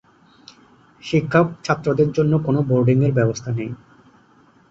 শিক্ষক -ছাত্রদের জন্য কোন বোর্ডিং এর ব্যবস্থা নেই।